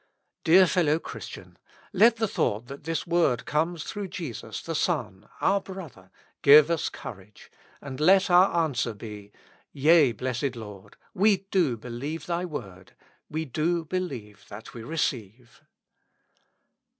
Dear fellow Christian ! let the thought that this word comes through Jesus, the Son, our Brother, give us courage, and let our answer be: Yea, Blessed Lord, we do believe Thy Word, we do believe that we receive.